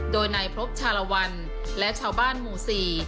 โดยนายพรบชาลวันและชาวบ้านหมู่สี่